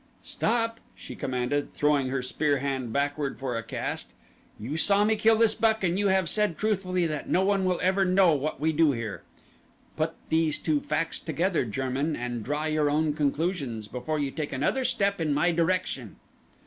"Stop!" she commanded, throwing her spear hand backward for a cast. "You saw me kill this buck and you have said truthfully that no one will ever know what we do here. Put these two facts together, German, and draw your own conclusions before you take another step in my direction."